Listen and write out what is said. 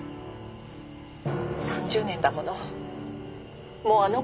３０年だもの。